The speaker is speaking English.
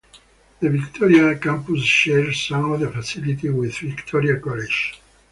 The Victoria campus shares some of its facilities with Victoria College.